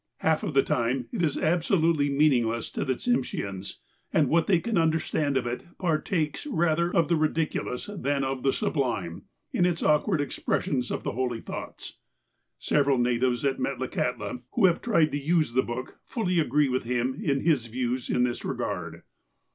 Half of the time it is absolutely meaningless to the Tsimsheans, and what they can understand of it par takes rather of the ridiculous than of the sublime, in its awkward expressions of the holy thoughts. Several natives at Metlakahtla, who have tried to use the book, fully agree with him in his views in this regard.